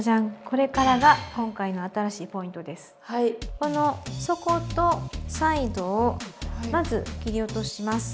この底とサイドをまず切り落とします。